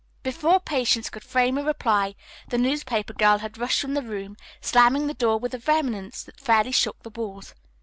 Before Patience could frame a reply the newspaper girl had rushed from the room, slamming the door with a vehemence that fairly shook the walls.